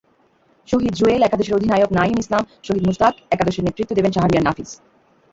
শহীদ জুয়েল একাদশের অধিনায়কনাঈম ইসলাম, শহীদ মুশতাক একাদশের নেতৃত্ব দেবেন শাহরিয়ার নাফীস।